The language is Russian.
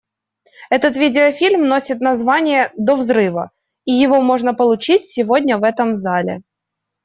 Этот видеофильм носит название «До взрыва», и его можно получить сегодня в этом зале.